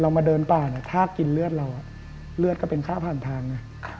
มาเดินป่าเนี่ยถ้ากินเลือดเราเลือดก็เป็นค่าผ่านทางไง